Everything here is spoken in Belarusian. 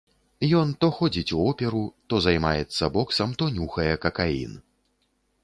Ён то ходзіць у оперу, то займаецца боксам, то нюхае какаін.